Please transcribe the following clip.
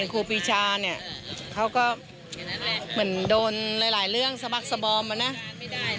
ครูปีชาเนี่ยเขาก็เหมือนโดนหลายเรื่องสบักสบอมอะนะ